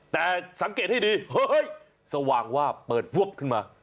แต่สังเกตให้ดีเฮ้ยสว่างวาบเปิดวับขึ้นมา